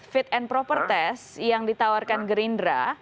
fit and proper test yang ditawarkan gerindra